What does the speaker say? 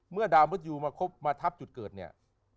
เมื่อดาวน์บุษยูมาทับจุดเกิดเนี่ย